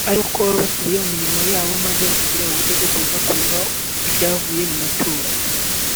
ari uko baba basubiye mu mirimo ya bo maze bakagira ubute bwo kuza kureba ibyavuye mu matora